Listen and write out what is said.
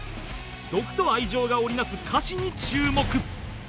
毒と愛情が織り成す歌詞に注目